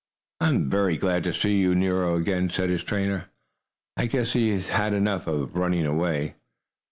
"I'm very glad to get Nero again," said his trainer. "I guess he has had enough of running away."